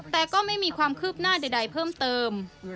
แต่ก็ไม่มีความคืบหน้าใดเพิ่มเติม